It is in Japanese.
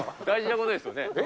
大事なことですよね。